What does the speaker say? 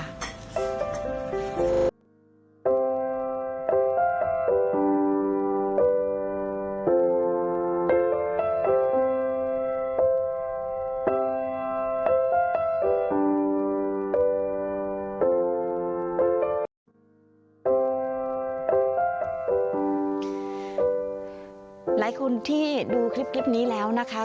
หลายคนที่ดูคลิปนี้แล้วนะคะ